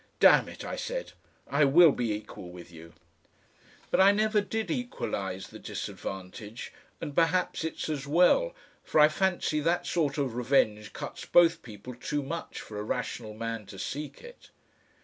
"Damn it!" I said, "I WILL be equal with you." But I never did equalise the disadvantage, and perhaps it's as well, for I fancy that sort of revenge cuts both people too much for a rational man to seek it....